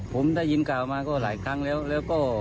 ผมได้ยินข่าวมาก็หลายครั้งแล้วแล้วก็